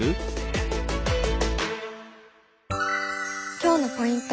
今日のポイント